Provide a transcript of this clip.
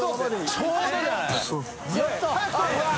ちょうど！